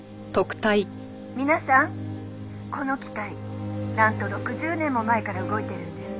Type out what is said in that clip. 「皆さんこの機械なんと６０年も前から動いてるんです」